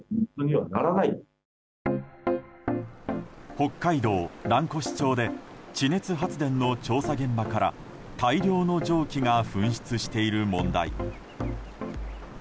北海道蘭越町で地熱発電の調査現場から大量の蒸気が噴出している問題。